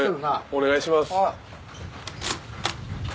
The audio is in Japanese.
お願いします。